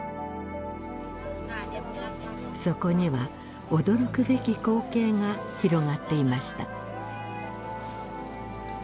そこには驚くべき光景が広がっていました。